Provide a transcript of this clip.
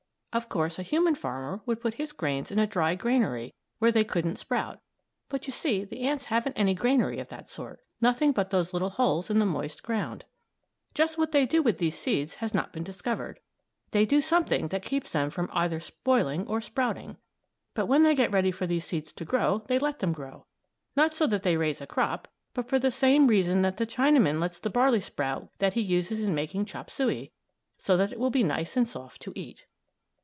Of course, a human farmer would put his grains in a dry granary where they couldn't sprout, but you see the ants haven't any granary of that sort; nothing but those little holes in the moist ground. Just what they do to these seeds has not been discovered. They do something that keeps them from either spoiling or sprouting. But, when they get ready for these seeds to grow, they let them grow; not so that they can raise a crop, but for the same reason that the Chinaman lets the barley sprout that he uses in making chop suey; so that it will be nice and soft to eat.